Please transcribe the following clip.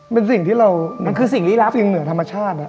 เป็นสิ่งที่เราสิ่งเหนือธรรมชาติ